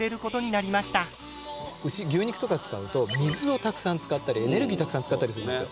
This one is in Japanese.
牛牛肉とか使うと水をたくさん使ったりエネルギーたくさん使ったりするんですよ。